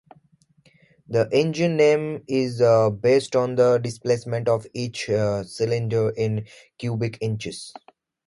The engine name is based on the displacement of each cylinder in cubic inches.